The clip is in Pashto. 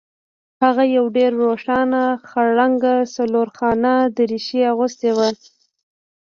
هغه یو ډیر روښانه خړ رنګه څلورخانه دریشي اغوستې وه